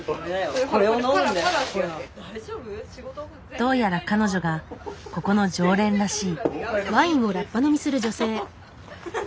どうやら彼女がここの常連らしい。